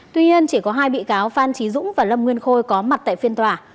tuy nhiên chỉ có hai bị cáo phan trí dũng và lâm nguyên khôi có mặt tại phiên tòa